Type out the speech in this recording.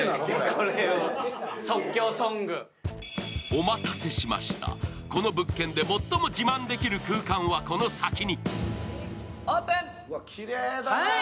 お待たせしました、この物件で最も自慢できる空間はこの先に。